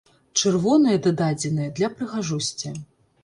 Чырвоныя дададзеныя для прыгажосці.